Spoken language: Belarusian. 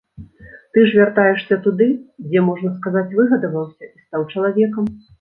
Ты ж вяртаешся туды, дзе, можна сказаць, выгадаваўся і стаў чалавекам.